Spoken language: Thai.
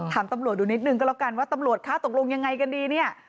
ถามตำรวจดูนิดนึงก็แล้วกันว่าตำรวจคะตกลงยังไงกันดีเนี่ย